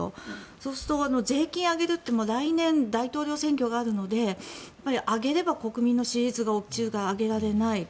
そうすると税金を上げるって来年、大統領選挙があるので上げれば国民の支持率が落ちるから上げられない。